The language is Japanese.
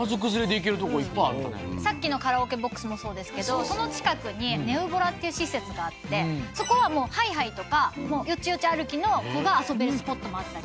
さっきのカラオケボックスもそうですけどその近くにそこはもうハイハイとかよちよち歩きの子が遊べるスポットもあったり。